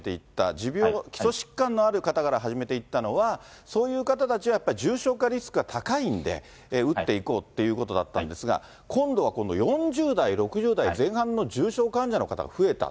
持病、基礎疾患のある方から始めていったのは、そういう方たちは、重症化リスクが高いんで、打っていこうってことだったんですが、今度は４０代、６０代前半の重症患者の方が増えた。